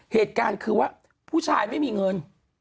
เหตุการณ์คือว่าผู้ชายไม่มีเงิน